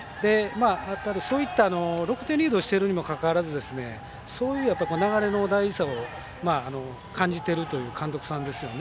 そういった６点リードしているにもかかわらずそういう流れの大事さを感じているという監督さんですよね。